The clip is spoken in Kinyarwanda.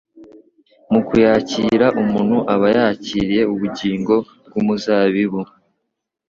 Mu kuyakira umuntu aba yakiriye ubugingo bw'umuzabibu.